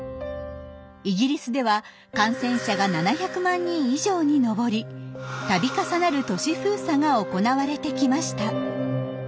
イギリスでは感染者が７００万人以上にのぼり度重なる都市封鎖が行われてきました。